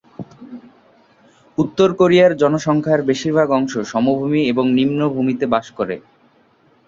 উত্তর কোরিয়ার জনসংখ্যার বেশিরভাগ অংশ সমভূমি এবং নিম্নভূমিতে বাস করে।